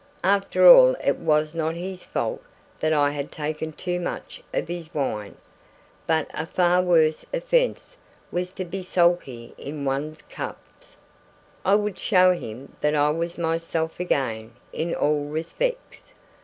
After all it was not his fault that I had taken too much of his wine; but a far worse offence was to be sulky in one's cups. I would show him that I was myself again in all respects.